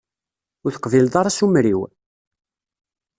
Ur teqbileḍ ara asumer-iw?